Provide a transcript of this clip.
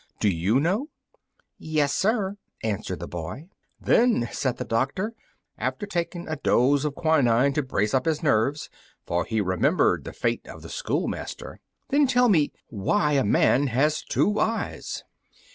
Do you know?" "Yes, sir," answered the boy. "Then," said the doctor, after taking a dose of quinine to brace up his nerves, for he remembered the fate of the schoolmaster, "then please tell me why a man has two eyes."